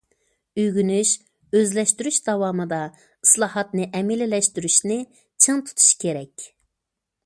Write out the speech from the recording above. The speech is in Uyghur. ئۆگىنىش، ئۆزلەشتۈرۈش داۋامىدا ئىسلاھاتنى ئەمەلىيلەشتۈرۈشنى چىڭ تۇتۇش كېرەك.